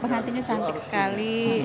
pengantinnya cantik sekali